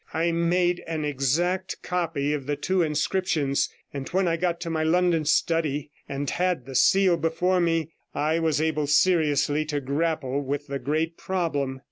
I made an exact copy of the two inscriptions; and when I got to my London study, and had the seal before me, I was able seriously to grapple with the great problem.